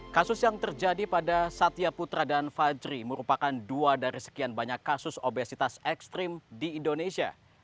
kasus yang terjadi pada satya putra dan fajri merupakan dua dari sekian banyak kasus obesitas ekstrim di indonesia